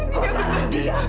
kau salah dia